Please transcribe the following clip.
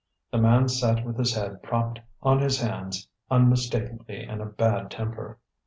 The man sat with his head propped on his hands, unmistakably in a bad temper.